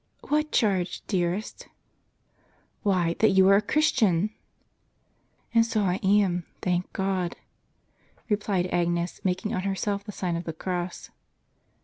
" What charge, dearest ?" "Why, that you are a Christian." " And so I am, thank God !" replied Agnes, making on herself the sign of the cross.